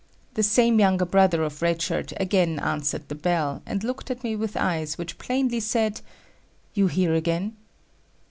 The same younger brother of Red Shirt again answered the bell, and looked at me with eyes which plainly said, "You here again?"